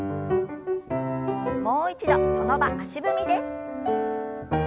もう一度その場足踏みです。